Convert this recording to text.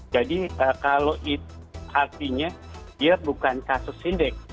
jadi kalau itu artinya dia bukan kasus indeks